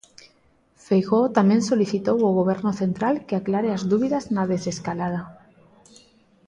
Feijóo tamén solicitou ao Goberno central que aclare as dúbidas na desescalada.